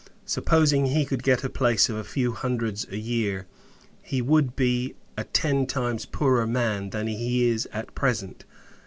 Supposing he could get a place of a few hundreds a year, he would be a ten times poorer man than he is at present.